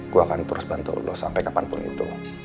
gue akan terus bantu lo sampai kapanpun itu